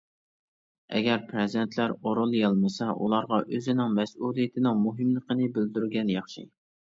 ئەگەر پەرزەنتلەر ئورۇنلىيالمىسا، ئۇلارغا ئۆزىنىڭ مەسئۇلىيىتىنىڭ مۇھىملىقىنى بىلدۈرگەن ياخشى.